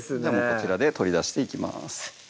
こちらで取り出していきます